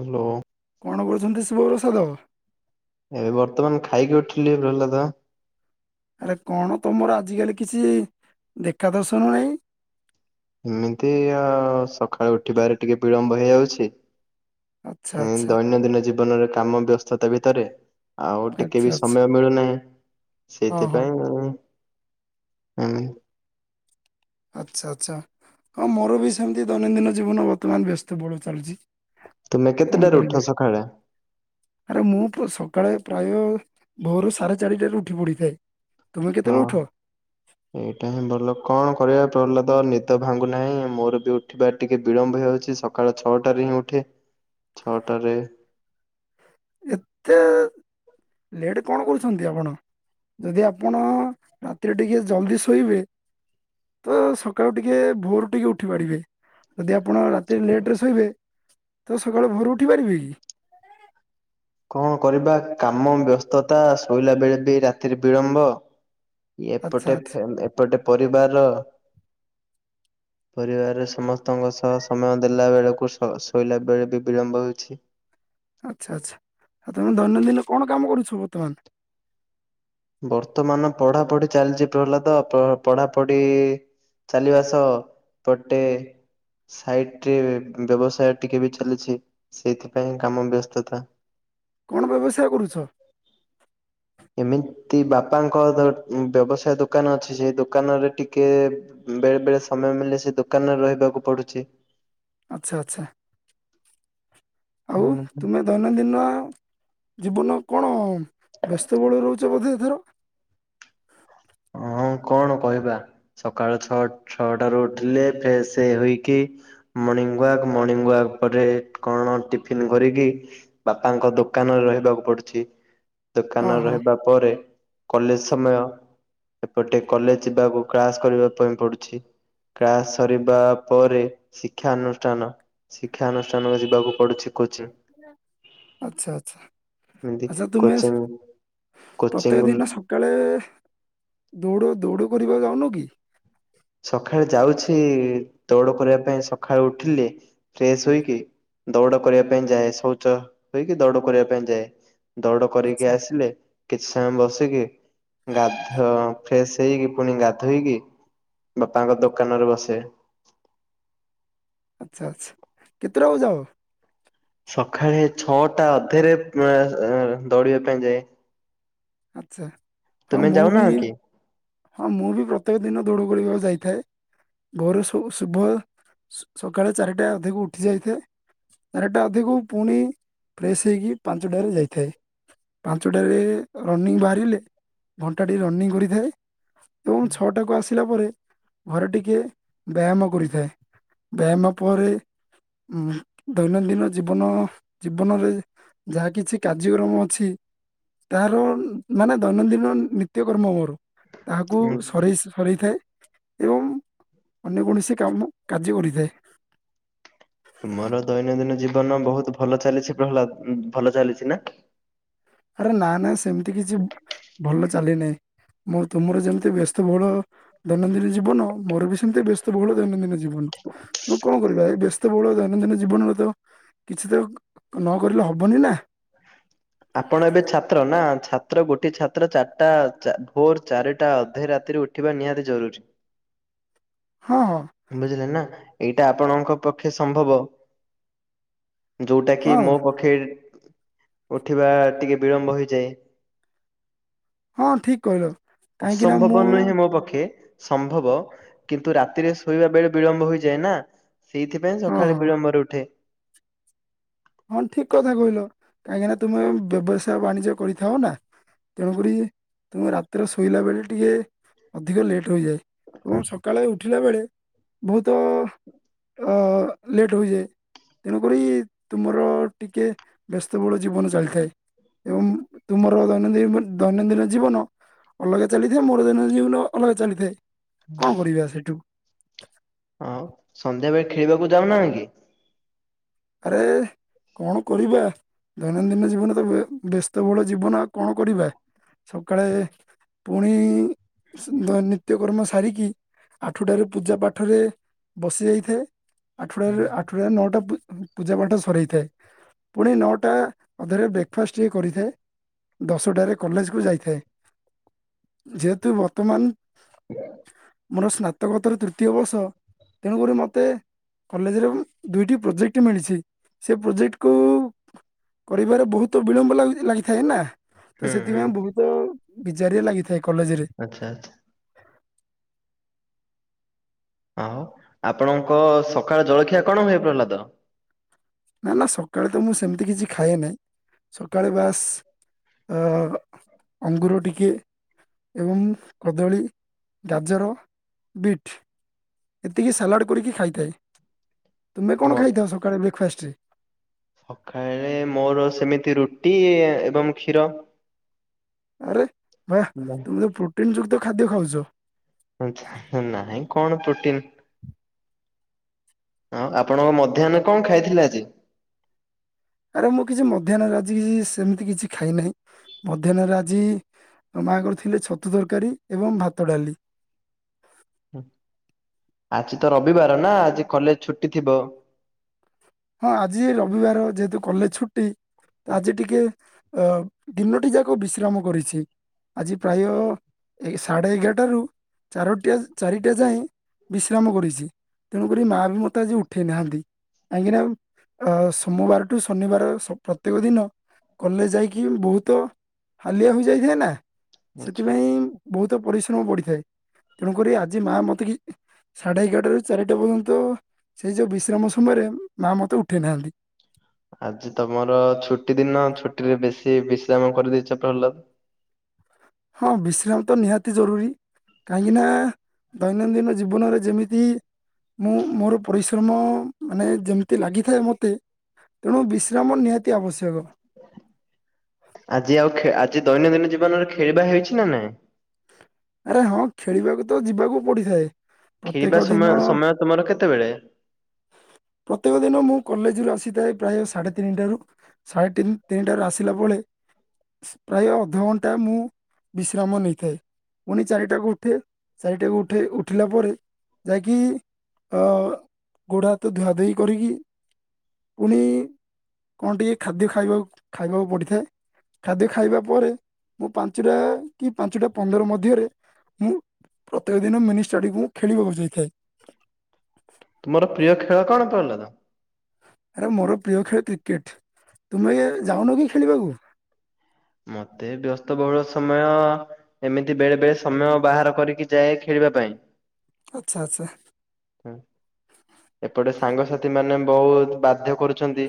Hello. କଣ କରୁଛନ୍ତି ଶିବପ୍ରସାଦ ଦବ? ଏବେ ବର୍ତ୍ତମାନ ଖାଇକି ଉଠିଲି ପ୍ରହ୍ଲାଦ। ଆରେ କଣ ତମର ଆଜିକାଲି କିଛି ଦେଖା ଦର୍ଶନ ନାହିଁ। ଏମିତି ଆଉ ସକାଳୁ ଉଠିବାରେ ଟିକେ ବିଳମ୍ବ ହେଇଯାଉଛି। ଆଚ୍ଛା ଏମିତି ଆଚ୍ଛା ଦୈନନ୍ଦିନ ଜୀବନରେ କାମ ବ୍ୟସ୍ତତା ଭିତରେ। ଆଉ ଟିକେ ଆଚ୍ଛା ବି ଆଚ୍ଛା ସମୟ ମିଳୁନାହିଁ ହଁ ହଁ ସେଇଥିପାଇଁ ଆଉ। ହୁଁ। ଆଚ୍ଛା ଆଚ୍ଛା ହଁ ମୋର ବି ସେମିତି ଦୈନନ୍ଦିନ ଜୀବନ ବର୍ତ୍ତମାନ ବ୍ୟସ୍ତ ବଳ ଚାଲିଛି। ତୁମେ କଣ କେତେଟାରେ କରିବେ ଉଠ ସକାଳେ। ଆରେ ମୁଁ ପ୍ରା ସକାଳେ ପ୍ରାୟ ଭୋରୁ ସାଢେ ଚାରିଟା ର ଉଠି ପଡିଥାଏ। ତୁମେ ହଁ କେତେବେଳେ ଉଠ। ଏଇଟା ହିଁ ଭଲ କଣ କରିବା ପ୍ରହ୍ଲାଦ ନିଦ ଭାଙ୍ଗୁ ନାହିଁ ମୋର ବି ଉଠିବା ଟିକେ ବିଳମ୍ବ ହେଇଯାଉଛି। ସ ସକାଳ ଛଅଟାରେ ହିଁ ଉଠେ ଛଅଟାରେ। ଏତେ ଲେଟ୍ କଣ କରୁଛନ୍ତି ଆପଣ। ଯଦି ଆପଣ ରାତିରେ ଟିକେ ଜଲ୍ଦି ଶୋଇବେ। ତ ସକାଳୁ ଟିକେ ଭୋର ଟିକେ ଉଠି ପାଡିବେ। ଯଦି ଆପଣ ରାତିରେ ଲେଟ ରେ ଶୋଇବେ ତ ସକାଳଳୁଭୋରୁ ଉଠି ପାରିବେ କି। କଣ କରିବା କାମ ବ୍ୟସ୍ତତା ଶୋଇଲା ବେଳେ ବି ରାତିରେ ବିଳମ୍ବ। ଆଚ୍ଛା ଏପଟେ ଆଚ୍ଛା। ଫେ ଏପଟେ ପରିବାରର। [unintelligible] ପରିବାରରେ ସମସ୍ତଙ୍କ ସହ ସମୟ ଦେଲା ବେଳକୁ ଶ୍ ଶୋଇଲା ବେଳେ ବି ବିଳମ୍ବ ହେଉଛି। ଆଛା ଆଛା ଆ ତମେ ଦୈନଦିନ କଣ କାମ କରୁଛ ବର୍ତ୍ତମାନ? ବର୍ତ୍ତମାନ ପଢାପଢି ଚାଲିଛି ପ୍ରହ୍ଲାଦ ପ ପଢାପଢି। ଚାଲିବା ସହ ପଟେ। ସାଇଟ ରେ ବ୍ୟବସାୟ ଟିକେ ବି ଚାଲିଛି ସେଇଥିପାଇଁ କାମ ବ୍ୟସ୍ତତା। କଣ ବ୍ୟବସାୟ କରୁଛ? ଏମିତି ବାପାଙ୍କ ବ୍ୟବସାୟ ଦୋକାନ ଅଛି ସେଇ ଦୋକାନରେ ଟିକେ। ବେଳେ ବେଳେ ସମୟ ମିିଲେ ସେ ଦୋକାନରେ ରହିବାକୁ ପଡୁଛି। ଆଛା ଆଛା ଆଉ ତୁମେ। ଦୈନନ୍ଦିନ ଜୀବନ କଣ ବ୍ୟସ୍ତବହୁଳ ରହୁଛ ବୋଧେ ଏଥର। ହଁ କଣ କହିବା। ସକାଳ ଛଅ ଛଅଟାରୁ ଉଠିଲେ ଫ୍ରେଶ୍ ହୋଇକି। ମର୍ଣିଂ ୱାକ୍ ମର୍ଣ୍ଣିଂ ୱାକ ପରେ କଣ ଟିଫିନ୍ କରିକି। ବାପାଙ୍କ ଦୋକାନରେ ରହିବାକୁ ପଡୁଛି। ହଁ ଦୋକାନ ରେ ହଁ ରହିବା ପରେ କଲେଜ ସମୟ। ଏପଟେ କଲେଜ ଯିବାକୁ କ୍ଳାସ କରିବା ପାଇଁ ପଡୁଛି। କ୍ଲାସ ସରିବା ପରେ ଶିକ୍ଷାନୁଷ୍ଠାନ। ଶିକ୍ଷାାନୁଷ୍ଠାନକୁ ଯିବାକୁ ପଡୁଛି। କୋଚିଂ ଆଚ୍ଛା ଆଚ୍ଛା ଏମତି ଆଚ୍ଛା ତୁମେ କୋଚିଂ। କୋଚିଙ୍ଗ ଗଲୁ କାଳେ ଦୌଡ଼ ଦୌଡ଼ କରିବା ଯାଉନୁ କି। ସକାଳେ ଯାଉଛି ଦୌଡ କରିବା ପାଇଁ ସକାଳେ ଉଠିଲି ଫ୍ରେଶ ହୋଇକି ଦୌଡ଼ କରିବା ପାଇଁ ଯାଏ ଶୌଚ ହୋଇକି ଦୌଡ଼ କରିବା ପାଇଁ ଯାଏ। ଦୌଡ଼ କରିକି ଆଚ୍ଛା ଆସିଲେ କିଛି ସମୟ ବସିକି ଗାଧ ଫ୍ରେଶ ହେଇକି ପୁଣି ଗାଧୋଇକି। ବାପାଙ୍କ ଦୋକାନରେ ବସେ। ଆଚ୍ଛା ଆଚ୍ଛା କେତେଟା ବଯାଅ? ସକାଳେ ଛଅଟା ଅଧେରେ ଦୌଡିବା ପାଇଁ ଯାଏ। ଆଚ୍ଛା ହଁ ତୁମେ ମୁଁ ଯାଉନା ବି କି? ହଁ ମୁଁ ବି ପ୍ରତ୍ୟେକ ଦିନ ଦୌଡ଼ ଘୋଡ଼ିବାକୁ ଯାଇଥାଏ। ଭୋରୁ ସବୁ ଶୁଭ ସକାଳେ ଚାରିଟା ଅଧିକ ଉଠି ଯାଇଥାଏ। ଚାରଟା ଅଧିକ ପୁଣି ଫ୍ରେଶ ହେଇକି ପାଞ୍ଚଟାରେ ଯାଇଥାଏ। ପାଞ୍ଚଟାରେ ରନିଂ ବାହାରିଲେ ଘଣ୍ଟାଟି ରନିଂ କରିଥାଏ ପୁଣି ଛଅଟାକୁ ଆସିଲା ପରେ ଘରେ ଟିକେ ବ୍ୟାୟାମ କରିଥାଏ ବ୍ୟାୟାମ ପରେ ଦୈନନ୍ଦିନ ଜୀବନ ଜୀବନରେ ଯାହା କିଛି କାର୍ଯ୍ୟକ୍ରମ ଅଛି ତାହାର ମାନେ ଦୈନନ୍ଦିନ ନିତ୍ୟକର୍ମ ମୋର ତାହାକୁ ସରାଇ ସରାଇଥାଏ ଏବଂ ଅନ୍ୟ କୌଣସି କାମ କାର୍ଯ୍ୟ କରିଥାଏ। ମୋର ଦୈନନ୍ଦିନ ଜୀବନ ବହୁତ ଭଲ ଚାଲିଛି ପ୍ରହ୍ଲାଦ ଭଲ ଚାଲିଛି ନା? ଆରେ ନା ନା ସେମିତି କିଛି ଭଲ ଚାଲି ନାହିଁ ମୁଁ ତୁମର ଯେମିତି ବ୍ୟସ୍ତବହୁଳ ଦୈନନ୍ଦିନ ଜୀବନ ମୋର ବି ସେମିତି ବ୍ୟସ୍ତ ବହୁଳ ଦୈନନ୍ଦିନ ଜୀବନ। କଣ କରିବା ଏ ବ୍ୟସ୍ତବହୁଳ ଦୈନନ୍ଦିନ ଜୀବନରେ ତ କିଛି ତ ନକରିଲେ ହବନି ନା ଆପଣ ଏବେ ଛାତ୍ର ନା ଛାତ୍ର ଗୋଟେ ଛାତ୍ର ଚାରିଟା ଭୋର ଚାରିଟା ଅଧେ ରାତିରେ ଉ ବା ନିହାତି ଜରୁରୀ। ହଁ ହଁ। ବୁଝିଲେ ନା ଏଇଟା ଆପଣଙ୍କ ପକ୍ଷେ ସମ୍ଭବ। ଯୋଉଟା କି ହଁ ମୋ ପକ୍ଷେ ଉଠିବା ଟିକେ ବିଳମ୍ବ ହେଇଯାଏ। ହଁ ଠିକ କହିଲ କାହିଁକି ନା ମୁଁ ଅସମ୍ଭବ ନୁହେଁ ମୋ ପକ୍ଷେ ସମ୍ଭବ କିନ୍ତୁ ରାତିରେ ଶୋଇବା ବେଳେ ବିଳମ୍ବ ହୋଇଯାଏ ନା ସେଇଥି ପାଇଁ ହଁ ସକାଳେ ହଁ ବିଳମ୍ବରେ ଉଠେ। ହଁ ଠିକ କଥା କହିଲ କାହିଁକି ନା ତୁମେ ବ୍ୟବସାୟ ବାଣିଜ୍ୟ କରିଥାଅ ନା ତେଣୁକରି ତେଣୁ ରାତିରେ ଶୋଇଲା ବେଳେ ଟିକେ ଅଧିକ ଲେଟ୍ ହୋଇଯାଏ। ଏବଂ ସକାଳେ ଉଠିଲା ବେଳେ ବହୁତ ଅ ଲେଟ୍ ହୋଇଯାଏ ତେଣୁକରି ତୁମର ଟିକେ ବ୍ୟସ୍ତ ବହୁଳ ଜୀବନ ଚାଲିଥାଏ। ଏବଂ ତୁମର ଦୈନନ୍ଦିନ ଦୈନନ୍ଦିନ ଜୀବନ ଅଲଗା ଚାଲିଥାଏ ମୋର ଦୈନଦିନ ଜୀବନ ଅଲଗା ଚାଲିଥାଏ କଣ କରିବା ସେଇଠୁ? ହଁ ସନ୍ଧ୍ୟା ବେଳେ ଖେଳିବାକୁ ଯାଉନା କି? ଆରେ କଣ କରିବା ଦୈନନ୍ଦିନ ଜୀବନ ତ ବ୍ୟସ୍ତବହୁଳ ଜୀବନ ଆଉ କଣ କରିବା? ସକାଳେ ପୁଣି ନିତ୍ୟକର୍ମ ସାରିକି ଆଠଟାରେ ପୂଜା ପାଠରେ ବସି ଯାଇଥାଏ ଆଠଟ ହୁଁ ଆଠଟା ନଅଟା ପୂଜା ପାଠ ସରାଇଥାଏ ପୁଣି ନଅଟା ଅଧରେ ବ୍ରେକ୍ ଫାଷ୍ଟ୍ ଟିକେ କରିଥାଏ। ଦଶଟାରେ କଲେଜ କୁ ଯାଇଥାଏ ଯେହେତୁ ବର୍ତ୍ତମାନ ହ ମୋର ସ୍ନାତକୋତର ତୃତୀୟ ବର୍ଷ ତେଣୁକରି ମୋତେ କଲେଜରେ ଦୁଇଟି ପ୍ରୋଜେକ୍ଟ କ୍ଟ ମିଳିଛି। ସେ ପ୍ରୋଜେକ୍ଟକୁ କରିବାରେ ବହୁତ ବିଳମ୍ବ ଲାଗୁଚି ଲାଗିଥାଏ ନା। ତ ହୁଁ ହୁଁ। ସେଥିପାଇଁ ବହୁତ ବିଜାରିଆ ଲାଗିଥାଏ କଲେଜ ରେ। ଆଛା ଆଛା। ହ ଆପଣଙ୍କ ସକାଳ ଜଳଖିଆ କଣ ହୁଏ ପ୍ରହ୍ଲାଦର? ନା ନା ସକାଳେ ତ ମୁଁ ସେମିତି କିଛି ଖାଏ ନାହିଁ ସକାଳେ ବାସ୍ ଅ ଅଙ୍ଗୁର ଟିକେ ଏବଂ କଦଳୀ ଗାଜର ବିଟ୍। ଏତିକି ସାଲାଡ଼ କରିକି ଖାଇଥାଏ। ତୁମେ କଣ ମୋ ଖାଇଥାଅ ସକାଳେ ବ୍ରେକ୍ଫାଷ୍ଟରେ? ସକାଳେ ମୋର ସେମିତି ରୁଟି ଏବଂ କ୍ଷୀର। ଆରେ ବାଃ ତୁମେ ତ ପ୍ରୋଟିନ ଯୁକ୍ତ ଖାଦ୍ୟ ଖାଉଛ। ଆଛା ନାଇଁ କଣ ପ୍ରୋଟିନ। ହଁ ଆପଣଙ୍କ ମଧ୍ୟାହ୍ନରେ କଣ ଖାଇଥିଲେ ଆଜି? ଆରେ ମୁଁ କିଛି ମଧ୍ୟାହ୍ନରେ ଆଜି କିଛି ସେମିତି କିଛି ଖାଇ ନାହିଁ। ମଧ୍ୟାହ୍ନରେ ଆଜି ତ ମାଆ କରିଥିଲେ ଛତୁ ତରକାରୀ ଏବଂ ଭାତ ଡାଲି। ଆଜି ତ ରବିବାର ନା ଆଜି କଲେଜ ଛୁଟି ଥିବ। ହଁ ଆଜି ରବିବାର ଯେହେତୁ କଲେଜ ଛୁଟି। ଆଜି ଟିକେ ଅ ଦିନଟି ଯାକ ବିଶ୍ରାମ କରିଛି। ଆଜି ପ୍ରାୟ ସାଢ଼େ ଏଗାରଟାରୁ ଚାରୋଟିଆ ଚାରିଟା ଯାଏ ବିଶ୍ରାମ କରିଛି। ତେଣୁକରି ମା ବି ମୋତେ ଆଜି ଉଠାଇନାହାନ୍ତି। କାହିଁକିନା ଅ ସୋମବାର ଠୁ ଶନିବାର ସ ପ୍ରତ୍ୟେକ ଦିନ କଲେଜ ଯାଇକି ବହୁତ ହାଲିଆ ହୋଇଯାଇଥାଏ ନା ଆଚ୍ଛା ସେଥିପାଇଁ ବହୁତ ପରିଶ୍ରମ ପଡିଥାଏ। ତେଣୁକରି ଆଜି ମା ମତେ କି ସାଢେ ଏଗାରଟାରୁ ଚାରିଟା ପର୍ଯ୍ୟନ୍ତ ସେଇ ଯୋଉ ବିଶ୍ରାମ ସମୟରେ ମା ମତେ ଉଠେଇ ନାହାନ୍ତି। ଆଜି ତମର ଛୁଟି ଦିନ ଛୁଟିରେ ବେଶୀ ବିଶ୍ରାମ କରିଦେଇଛ ପ୍ରହ୍ ହଁ ବିଶ୍ରାମ ତ ନିହାତି ଜରୁରୀ। କାହିଁକିନା ଦୈନନ୍ଦିନ ଜୀବନରେ ଯେମିତି ମୁଁ ମୋର ପରିଶ୍ରମ ମାନେ ଯେମିତି ଲାଗିଥାଏ ମୋତେ ତେଣୁ ବିଶ୍ରାମ ନିହାତି ଆବଶ୍ୟକ। ଆଜି ଆଉ ଖେ ଆଜି ଦୈନନ୍ଦିନ ଜୀବନରେ ଖେଳିବା ହେଇଛି ନା ନାଇଁ? ଆରେ ହଁ ଖେଳିବାକୁ ତ ଯିବାକୁ ପଡ଼ିଥାଏ। ଖେଳିବା ସମୟ ସମୟ ତୁମର କେତେବେଳେ? ପ୍ରତ୍ୟେକ ଦିନ ମୁଁ କଲେଜରୁ ଆସିଥାଏ ପ୍ରାୟ ସାଢ଼େ ତିନିଟାରୁ ସାଢ଼େ ତିନି ତିନିଟାରେ ଆସିଲା ବେଳେ ପ୍ରାୟ ଅଧଘଣ୍ଟା ମୁଁ ବିଶ୍ରାମ ନେଇଥାଏ। ପୁଣି ଚାରିଟାକୁ ଉଠେ ଚାରିଟାକୁ ଉଠେ ଉଠିଲା ପରେ ଯାଇକି ଅ ଗୋଡ ହାତ ଧୁଆଧେଇ କରିକି ପୁଣି କଣ ଟିକିଏ ଖାଦ୍ୟ ଖାଇବାକୁ ଖାଇବାକୁ ପଡ଼ିଥାଏ। ଖାଦ୍ୟ ଖାଇବା ପରେ ମୁଁ ପାଞ୍ଚଟା କି ପାଞ୍ଚଟା ପନ୍ଦର ମଧ୍ୟରେ ମୁଁ ପ୍ରତ୍ୟେକ ଦିନ ମିନି ଷ୍ଟାଡିଅମ ମୁଁ ଖେଳିବାକୁ ଯାଇଥାଏ। ତୁମର ପ୍ରିୟ ଖେଳ କଣ ପ୍ରହଲ୍ଲାଦ? ଆରେ ମୋର ପ୍ରିୟ ଖେଳ କ୍ରିକେଟ ତୁମେ ଯାଉନ କି ଖେଳିବାକୁ? ମତେ ବ୍ୟସ୍ତବହୁଳ ସମୟ ଏମିତି ବେଳେ ବେଳେ ସମୟ ବାହାର କରିକି ଯାଏ ଖେଳିବା ପାଇଁ। ଆଚ୍ଛା ଆଚ୍ଛା। ଏପଟେ ସାଙ୍ଗସାଥି ମାନେ ବହୁତ୍ ବାଧ୍ୟ କରୁଚନ୍ତି।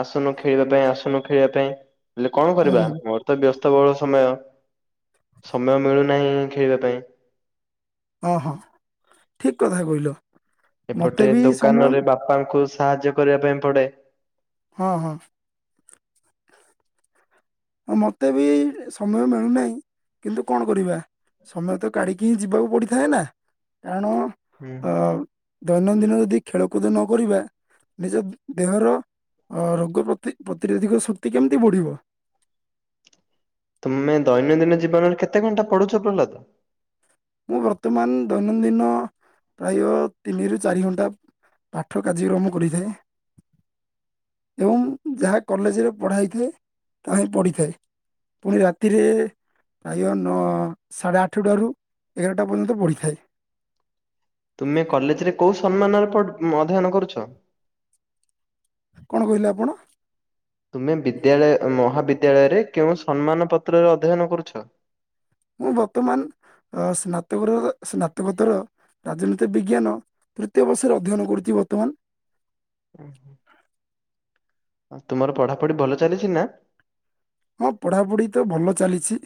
ଆସୁନୁ ଖେଳିବା ପାଇଁ ଆସୁନୁ ଖେଳିବା ପାଇଁ ହେଲେ କଣ ହୁଁ କରିବା ମୋରତ ବ୍ୟସ୍ତବଳ ସମୟ ସମୟ ମିଳୁ ନାହିଁ ଖେଳିବା ପାଇଁ ଓହୋ ଠିକ୍ କଥା କହିଲ। ମତେ ଏପଟେ ବି ସମୟ ଦୋକାନରେ ବାପାଙ୍କୁ ସାହାଯ୍ୟ କରିବା ପାଇଁ ପଡ଼େ ହଁ ହଁ। ହଁ ମତେବି ସମୟ ମିଳୁନାହିଁ କିନ୍ତୁ କଣ କରିବା ସମୟତ କାଢିକିହିଁ ଯିବାକୁ ପଡ଼ିଥାଏନା କାରଣ ହୁଁ। ଅଁ ଦୈନନ୍ଦିନ ଯଦି ଖେଳକୁଦ ନକରିବା ନିଜ ଦେହର ରୋଗତି ପ୍ରତିରୋଧକ ଶକ୍ତି କେମିତି ବଢ଼ିବ ତୁମେ ଦୈନନ୍ଦିନ ଜୀବନରେ କେତେ ଘଣ୍ଟା ପଢୁଚ ପ୍ରହ୍ଲାଦ? ମୁଁ ବର୍ତ୍ତମାନ ଦୈନନ୍ଦିନ ପ୍ରାୟ ତିନିରୁ ଚାରି ଘଣ୍ଟା ପାଠ କାର୍ଯ୍ୟକ୍ରମ କରିଥାଏ। ଏବଂ ଯାହା କଲେଜରେ ପଢ଼ା ହୋଇଥାଏ ତାହାହିଁ ପଢ଼ିଥାଏ ପୁଣି ରାତିରେ ପ୍ରାୟ ନ ସାଢ଼େ ଆଠଟାରୁ ଏଗାରଟା ପର୍ଯ୍ୟନ୍ତ ବଢ଼ିଥାଏ। ତୁମେ କଲେଜରେ କୋଉ ସମ୍ମାନରେ ପଢ଼ୁ ଅଧ୍ୟୟନ କରୁଛ? କଣ କହିଲେ ଆପଣ? ତୁମେ ବିଦ୍ୟାଳୟ ମହାବିଦ୍ୟାଳୟରେ କେଉଁ ସମ୍ମାନ ପତ୍ରରେ ଅଧ୍ୟୟନ କରୁଛ? ମୁଁ ବର୍ତ୍ତମାନ ଅଁ ସ୍ନାତକ ସ୍ନାତକୋତର ରାଜନୈତିକ ବିଜ୍ଞାନ ତୃତୀୟ ବର୍ଷରେ ଅଧ୍ୟୟନ କରୁଚି ବର୍ତ୍ତମାନ ହୁଁ ହୁଁ। ଆଁ ତୁମର ପଢାପଢି ଭଲ ଚାଲିଚିନା? ହଁ ପଢାପଢିତ ଭଲ ଚାଲିଚି।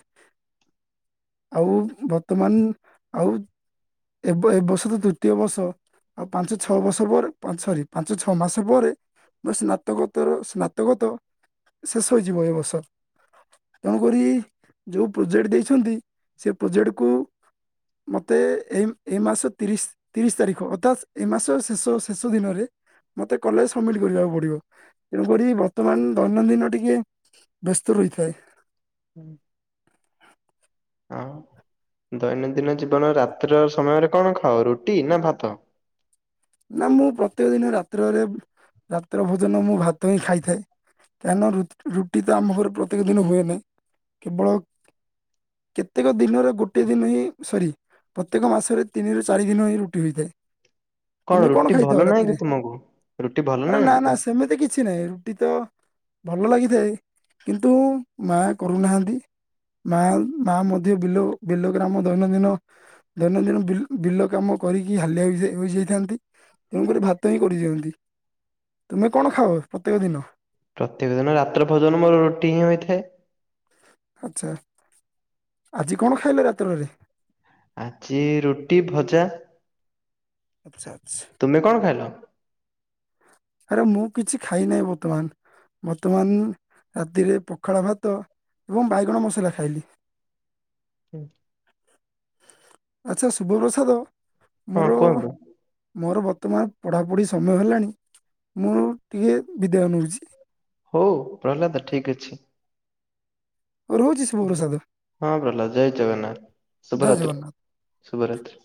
ଆଉ ବର୍ତ୍ତମାନ ଆଉ ଏବ ବ ଏବର୍ଷତ ଦ୍ୱିତୀୟ ବର୍ଷ ଆଉ ପାଞ୍ଚ ଛଅ ବର୍ଷ ପରେ ସରି ପାଞ୍ଚ ଛଅ ମାସ ପରେ ମୋ ସ୍ନାତକୋତର ସ୍ନାତକୋତ ଶେଷ ହେଇଯିବ ଏବର୍ଷ। ତେଣୁକରି ଯେଉଁ ପ୍ରୋଜେକ୍ଟ ଦେଇଛନ୍ତି ସେ ପ୍ରୋଜେକ୍ଟକୁ ମୋତେ ଏଇ ଏଇ ମାସ ତିରିଶି ତିରିଶି ତାରିଖ ଅର୍ଥାତ୍ ଏ ମାସ ଶେଷ ଶେଷ ଦିନରେ ମତେ କଲେଜ୍ ସମିଟ୍ କରିବାକୁ ପଡ଼ିବ। ତେଣୁକରି ବର୍ତ୍ତମାନ ଦୈନଦିନ ଟିକେ ବ୍ୟସ୍ତ ରହିଥାଏ। ଆଉ ଦୈନନ୍ଦିନ ଜୀବନର ରାତ୍ର ସମୟରେ କଣ ଖାଅ ରୁଟି ନା ଭାତ? ନା ମୁଁ ପ୍ରତ୍ୟେକ ଦିନ ରାତ୍ରରେ ରାତ୍ର ଭୋଜନ ମୁଁ ଭାତହିଁ ଖାଇଥାଏ କାହିଁକନ ରୁ ରୁଟିତ ଆମ ଘରେ ପ୍ରତ୍ୟେକ ଦିନ ହୁଏନା କେବଳ କେତେକ ଦିନର ଗୋଟେ ଦିନହିଁ ସରି ପ୍ରତ୍ୟେକ ମାସରେ ତିନିରୁ ଚାରି ଦିନହି ରୁଟି ହୋଇଥାଏ। ତୁମେ କଣ ରୁଟି ଭଲ ଖାଇଥାଅ ନାହିଁ କି ରାତିରେ ତୁମକୁ ରୁଟି ଭଲ ଆରେ ନା ନା ସେମିତି କି କିଛି ନାହିଁ ରୁଟିତ ଭଲ ଲାଗିଥାଏ କିନ୍ତୁ ମା କରୁନାହାନ୍ତି। ମା ମା ମଧ୍ୟ ବିଲୁ ବିଲୁ ଗ୍ରାମ ଦୈନନ୍ଦିନ ଦୈନନ୍ଦିନ ବିଲ ବିଲ କାମକରିକି ହାଲିଆ ହୋ ହୋଇଯାଇଥାନ୍ତି। ତେଣୁକରି ଭାତହିଁ କରିଦିଅନ୍ତି ତୁମେ କଣ ଖାଅ ପ୍ରତ୍ୟେକ ଦିନ? ପ୍ରତ୍ୟେକ ଦିନ ରାତ୍ର ଭୋଜନ ମୋର ରୁଟି ହିଁ ହୋଇଥାଏ। ଆଛା ଆଜି କଣ ଖାଇଲେ ରାତ୍ରରେ? ଆଜି ରୁଟି ଭଜା। ଆଛା ଛା ତୁମେ କଣ ଖାଇଲ? ଆରେ ମୁଁ କିଛି ଖାଇ ନାହିଁ ବର୍ତ୍ତମାନ। ବର୍ତ୍ତମାନ ରାତିରେ ପଖାଳ ଭାତ ଏବଂ ବାଇଗଣ ମସଲା ଖାଇଲି। [inaudible] ଆଚ୍ଛା ଶୁଭପ୍ରସାଦ ହଁ ମୋର? କୁହନ୍ତୁ ମୋର ବର୍ତ୍ତମାନ ପଢ଼ାପଢ଼ି ସମୟ ହେଲାଣି ମୁଁ ଟିକେ ବିଦାୟ ନେଉଚି। ହଉ ପ୍ରହ୍ଲାଦ ଠିକ୍ ଅଛି। ରହୁଛି ସ୍। ହଁ ପ୍ରହଲ୍ଲାଦ ଜୟ ଜଗନ୍ନାଥ ଜୟ ଶୁଭରାତ୍ରି ଜଗନ୍ନାଥ ଶୁଭରାତ୍ରି।